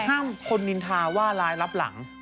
ห้ามคนนินทาว่าร้ายรับหลัง